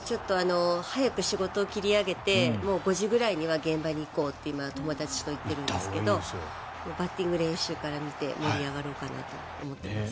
早く仕事を切り上げて５時ぐらいには現場に行こうと今、友達と言っているんですがバッティング練習から見て盛り上がろうかなと思っています。